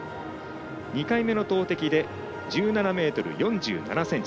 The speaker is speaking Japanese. ２回目の投てきで１７ｍ４７ｃｍ。